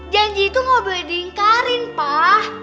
janji itu nggak boleh diingkarin pak